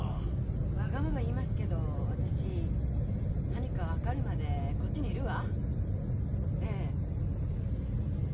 わがまま言いますけど私何か分かるまでこっちにいるわ。